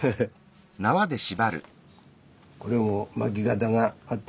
これも巻き方があってね